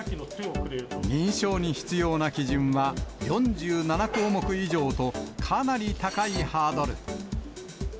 認証に必要な基準は、４７項目以上と、かなり高いハードル。